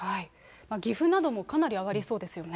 岐阜などもかなり上がりそうですよね。